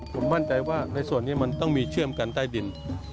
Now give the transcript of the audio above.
ผมมั่นใจว่าในส่วนนี้มันต้องมีเชื่อมกันใต้ดิน